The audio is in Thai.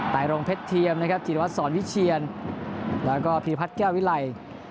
ไรงเพชรเทียมนะครับจิรวัตรสอนวิเชียนแล้วก็พีพัฒน์แก้ววิไล